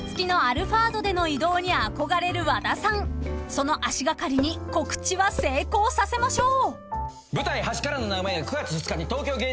［その足がかりに告知は成功させましょう］